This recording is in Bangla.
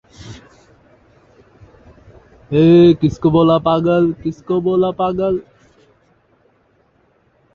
পাকিস্তান ভিত্তিক জঙ্গি সংগঠন জাইশ-ই-মোহাম্মদ এই হামলার দায়ভার স্বীকার করেছে।